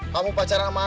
kamu pacaran sama dia